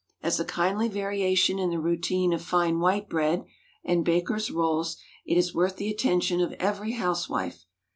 As a kindly variation in the routine of fine white bread and baker's rolls, it is worth the attention of every housewife.